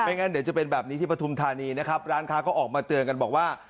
งั้นเดี๋ยวจะเป็นแบบนี้ที่ปฐุมธานีนะครับร้านค้าก็ออกมาเตือนกันบอกว่า